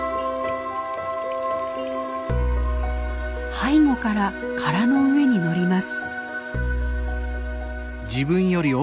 背後から殻の上に乗ります。